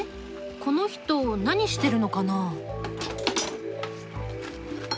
この人何してるのかな？